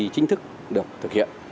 chính thức được thực hiện